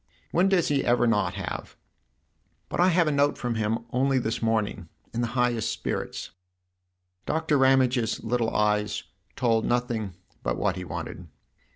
" When does he ever not have ? But I had a note from him only this morning in the highest spirits." Doctor Ramage's little eyes told nothing but what he wanted.